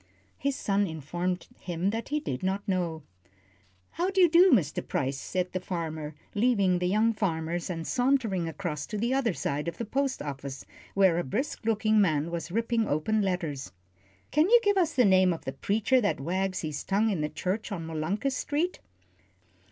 His son informed him that he did not know. "How d'ye do, Mr. Price," said the farmer, leaving the young farmers, and sauntering across to the other side of the post office, where a brisk looking man was ripping open letters. "Can you give us the name of the preacher that wags his tongue in the church on Molunkus Street?"